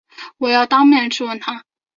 我要当面质问他